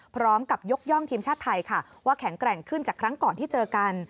พร้อมกับยกย่องทีมชาติไทยค่ะว่าแข็งแกร่งขึ้นจากครั้งก่อนที่เจอกัน